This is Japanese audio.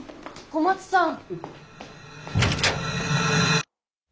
小松さん！